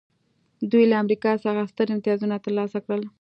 دوی له امریکا څخه ستر امتیازونه ترلاسه کړل